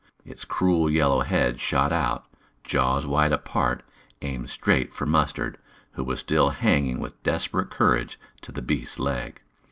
Its cruel yellow head shot out, jaws wide apart, aimed straight for Mustard, who was still hanging with desperate courage to the beast's leg.